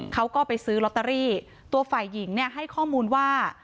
เขาก็ไปซื้อลอตเตอรี่ตัวฝ่ายหญิงเนี่ยให้ข้อมูลว่า